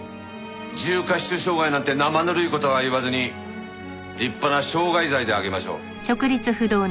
重過失傷害なんて生ぬるい事は言わずに立派な傷害罪で挙げましょう。